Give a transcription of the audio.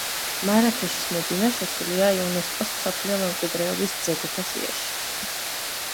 მარაქეშის მედინა შესულია იუნესკოს მსოფლიო მემკვიდრეობის ძეგლთა სიაში.